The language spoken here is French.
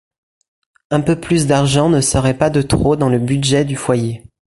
Un peu plus d'argent ne serait pas de trop dans le budget du foyer.